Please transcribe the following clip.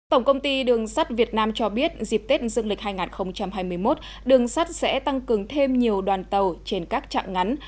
tổng công ty đường sắt việt nam cho biết dịp tết dương lịch hai nghìn hai mươi một đường sắt sẽ tăng cường thêm nhiều đoàn tàu trên các trạng ngắn